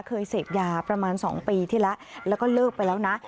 เคยเสพยาประมาณ๒ปีที่แล้วแล้วก็เลิกไปแล้วนะ